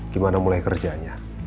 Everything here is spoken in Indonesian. gimana mulai kerjanya